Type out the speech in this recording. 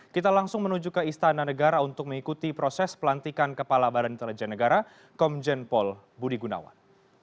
kita langsung menuju ke istana negara untuk mengikuti proses pelantikan kepala badan intelijen negara komjen pol budi gunawan